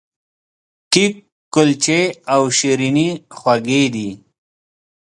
کیک، کلچې او شیریني خوږې دي.